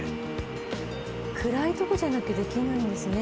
暗いとこじゃなきゃできないんですね。